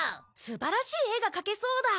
素晴らしい絵が描けそうだ。